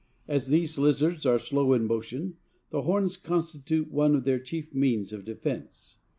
As these lizards are slow in motion, the horns constitute one of their chief means of defense.